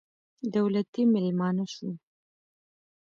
دولتي مېلمانه شوو.